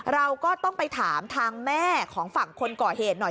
เราก็ต้องไปถามทางแม่ของฝั่งคนก่อเหตุหน่อย